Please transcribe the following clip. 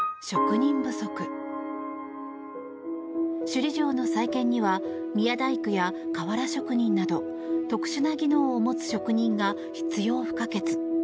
首里城の再建には宮大工や瓦職人など特殊な技能を持つ職人が必要不可欠。